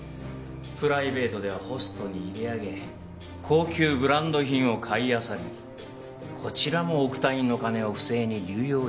プライベートではホストに入れあげ高級ブランド品を買いあさりこちらも億単位の金を不正に流用した疑いがある。